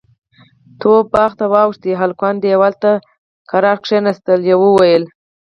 توپ باغ ته واوښت، هلکان دېوال ته غلي کېناستل، يوه وويل: